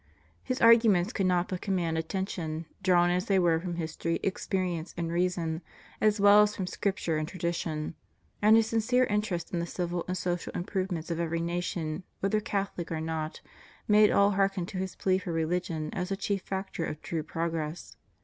His arguments could not but command attention, drawn as they were from history, experience, and reason, as well as from Scripture and tradition; and his sincere interest in the civil and social improvements of every nation, whether Catholic or not, made all hearken to his plea for religion as the chief factor of true progress.